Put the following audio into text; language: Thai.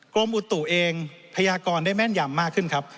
กรมอุตุเองพยากรได้แม่นยำมากขึ้นครับ